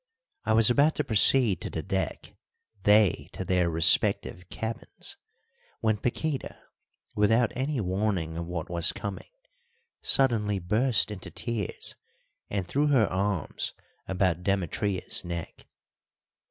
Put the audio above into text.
I was about to proceed to the deck, they to their respective cabins, when Paquíta, without any warning of what was coming, suddenly burst into tears and threw her arms about Demetria's neck.